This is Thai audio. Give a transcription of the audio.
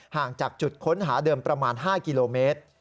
ห่างจากจุดค้นหาเดิมประมาณ๕กิโลเมตร